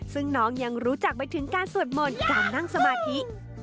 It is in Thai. ซึ่งน้องยังรู้จักไปถึงการสวดมนต์การนั่งสมาธิ